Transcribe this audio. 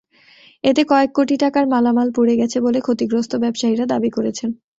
এতে কয়েক কোটি টাকার মালামাল পুড়ে গেছে বলে ক্ষতিগ্রস্ত ব্যবসায়ীরা দাবি করেছেন।